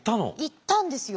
行ったんですよ。